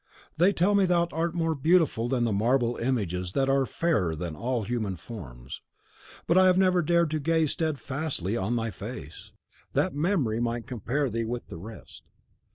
They tell me thou art more beautiful than the marble images that are fairer than all human forms; but I have never dared to gaze steadfastly on thy face, that memory might compare thee with the rest.